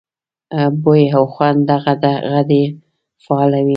بوۍ او خوند دغه غدې فعالوي.